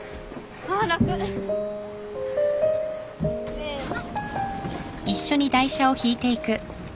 せの！